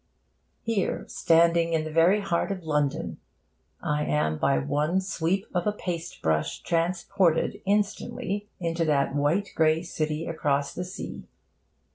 Here, standing in the very heart of London, I am by one sweep of a paste brush transported instantly into that white grey city across the sea.